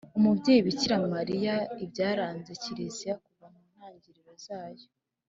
umubyeyi bikira mariya, ibyaranze kiliziya kuva mu ntangiriro zayo